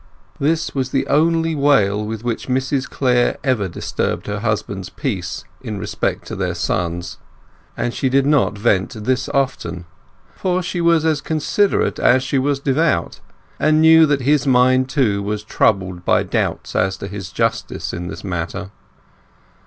This was the only wail with which Mrs Clare ever disturbed her husband's peace in respect to their sons. And she did not vent this often; for she was as considerate as she was devout, and knew that his mind too was troubled by doubts as to his justice in this matter.